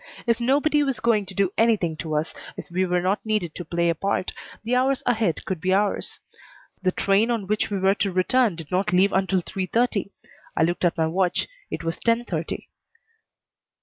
If nobody was going to do anything to us, if we were not needed to play a part, the hours ahead could be ours. The train on which we were to return did not leave until three thirty. I looked at my watch. It was ten thirty.